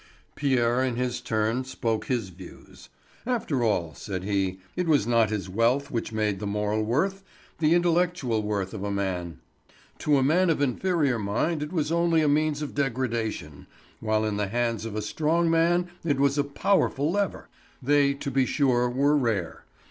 Pierre, in his turn, spoke his views. After all, said he, it was not his wealth which made the moral worth, the intellectual worth of a man. To a man of inferior mind it was only a means of degradation, while in the hands of a strong man it was a powerful lever. They, to be sure, were rare.